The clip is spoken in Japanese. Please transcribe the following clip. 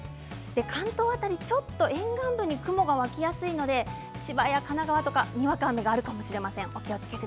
関東辺り、沿岸部に雲が湧きやすいので千葉や神奈川はにわか雨があるかもしれません。